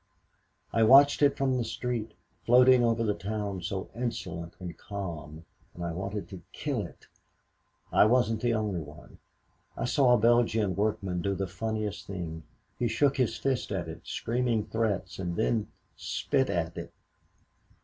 "I watched it from the street floating over the town so insolent and calm, and I wanted to kill it. I wasn't the only one. I saw a Belgian workman do the funniest thing. He shook his fist at it, screaming threats and then spit at it!